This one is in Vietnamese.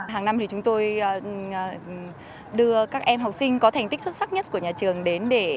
hàng năm thì chúng tôi đưa các em học sinh có thành tích xuất sắc nhất của nhà trường đến để